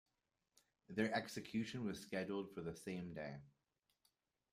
Their execution was scheduled for the same day.